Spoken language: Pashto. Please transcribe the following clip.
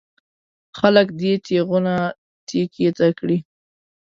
خلک دې تېغونه تېکې ته کړي.